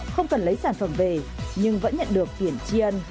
không cần lấy sản phẩm về nhưng vẫn nhận được tiền tri ân